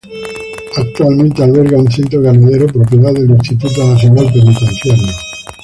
Actualmente alberga un centro ganadero propiedad del Instituto Nacional Penitenciario.